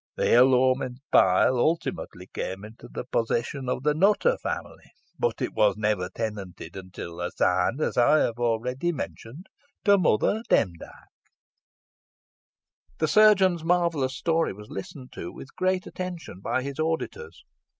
The ill omened pile ultimately came into the possession of the Nutter family, but it was never tenanted, until assigned, as I have already mentioned, to Mother Demdike." The chirurgeon's marvellous story was listened to with great attention by his auditors.